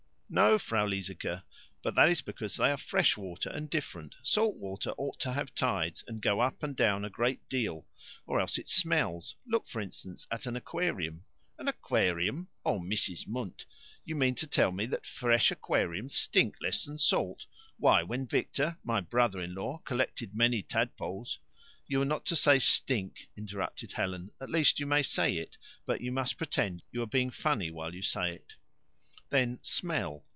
"No, Frau Liesecke; but that is because they are fresh water, and different. Salt water ought to have tides, and go up and down a great deal, or else it smells. Look, for instance, at an aquarium." "An aquarium! Oh, MEESIS Munt, you mean to tell me that fresh aquariums stink less than salt? Why, when Victor, my brother in law, collected many tadpoles " "You are not to say 'stink,'" interrupted Helen; "at least, you may say it, but you must pretend you are being funny while you say it." "Then 'smell.'